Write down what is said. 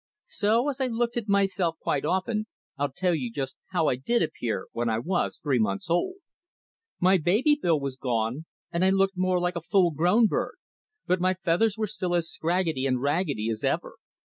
So, as I looked at myself quite often, I'll tell you just how I did appear when I was three months old. My baby bill was gone and I looked more like a full grown bird, but my feathers were still as scraggedy and raggedy as ever.